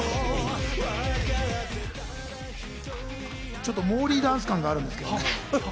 ちょっとモーリーダンス感があるんですけど。